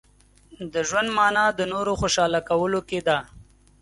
• د ژوند مانا د نورو خوشحاله کولو کې ده.